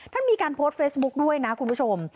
มีการโพสต์เฟซบุ๊คด้วยนะคุณผู้ชม